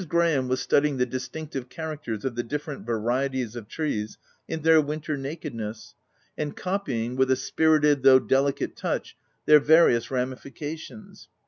Graham was studying the distinctive characters of the different varieties of trees in their winter nakedness, and copying, with a spirited, though delicate touch, their various ramifications.